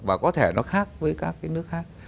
và có thể nó khác với các cái nước khác